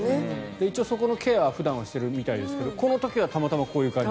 一応、そこのケアは普段はしているみたいですけどこの時はたまたまこういう感じで。